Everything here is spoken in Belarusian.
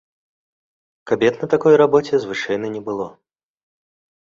Кабет на такой рабоце звычайна не было.